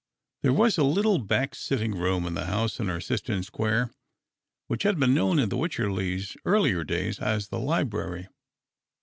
There was a little l)ack sitting room in the house in Ereiston Square which had been known in the Wycherleys' earlier days as the library.